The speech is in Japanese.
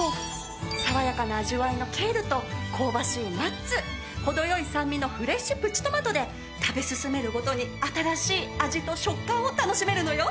爽やかな味わいのケールと香ばしいナッツ程良い酸味のフレッシュプチトマトで食べ進めるごとに新しい味と食感を楽しめるのよ。